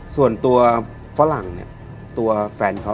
โดนปิดปาก